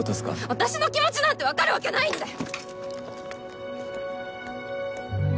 私の気持ちなんて分かるわけないんだよ！